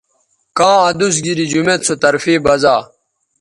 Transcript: کاں ادوس گیری جمیت سو طرفے بزا